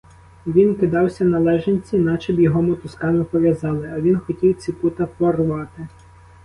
Він кидався на лежанці, начеб його мотузками пов'язали, а він хотів ці пута порвати.